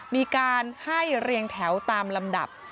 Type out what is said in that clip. มีการให้เรียงแถวตามลำดับ